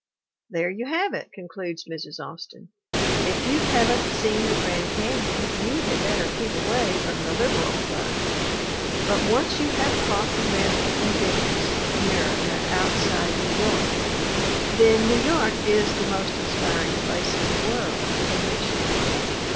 "There you have it," concludes Mrs. Austin. "If you haven't seen the Grand Canyon you had better keep away from the Liberal Club; but once you have caught the lift and bigness of America outside New York, then New York is the most inspiring place in the world in which to work."